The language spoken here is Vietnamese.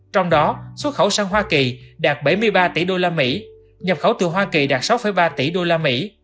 trong đó xuất khẩu sang hoa kỳ đạt bảy mươi ba tỷ đô la mỹ nhập khẩu từ hoa kỳ đạt sáu ba tỷ đô la mỹ